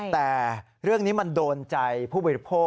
แต่เรื่องนี้มันโดนใจผู้บริโภค